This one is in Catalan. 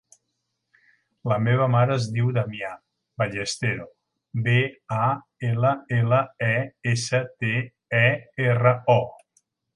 La meva mare es diu Damià Ballestero: be, a, ela, ela, e, essa, te, e, erra, o.